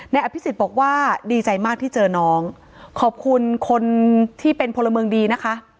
อภิษฎบอกว่าดีใจมากที่เจอน้องขอบคุณคนที่เป็นพลเมืองดีนะคะ